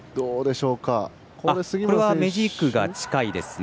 これはメジークが近いですね。